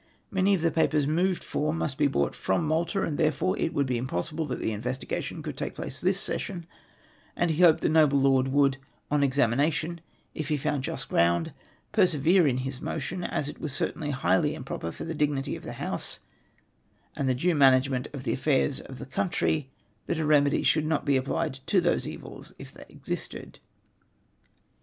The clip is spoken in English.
JMany of the papers moved for must be brought from IMalta, and therefore it would be impossible that the investigation could take place this session; and he hoped the noble lord would, on examination, if he found just ground, persevere in his motion, as it was certainly highly improper for tlie dignity of the House and tlie due management of the affairs of the country that a remedy should not be applied to those evils, if they existed.